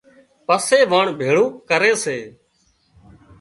پسي واڻ ڀيۯون ڪري سي